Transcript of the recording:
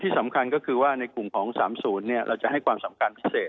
สำคัญก็คือว่าในกลุ่มของ๓๐เราจะให้ความสำคัญพิเศษ